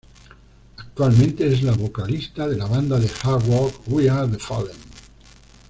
Actualmente es la vocalista de la banda de Hard Rock We Are The Fallen.